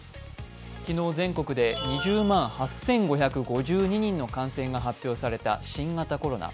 機能全国で２０万８５５２人の感染が確認された新型コロナ。